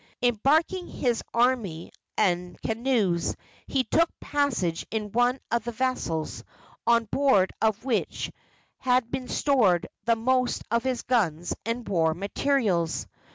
Embarking his army in canoes, he took passage in one of the vessels, on board of which had been stored the most of his guns and war materials.